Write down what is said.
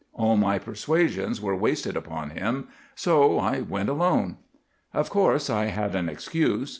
All my persuasions were wasted upon him, so I went alone. "Of course I had an excuse.